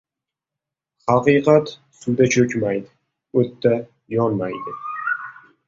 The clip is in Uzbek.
• Haqiqat suvda cho‘kmaydi, o‘tda yonmaydi.